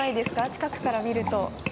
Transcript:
近くから見ると。